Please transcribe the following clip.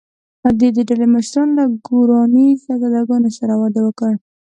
د دې ډلې مشرانو له ګوراني شهزادګانو سره واده وکړ.